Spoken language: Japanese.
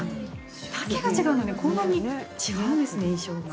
丈が違うだけでこんなに違うんですね、印象が。